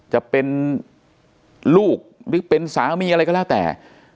จะเป็นลูกหรือเป็นสามีอะไรก็แล้วแต่